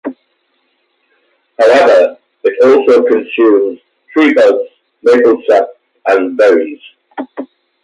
However, it also consumes tree buds, maple sap, and berries.